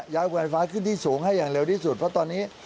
ไฟฟ้าขึ้นที่สูงให้อย่างเร็วที่สุดเพราะตอนนี้